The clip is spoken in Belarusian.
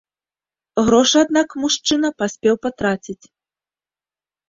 Грошы, аднак, мужчына паспеў патраціць.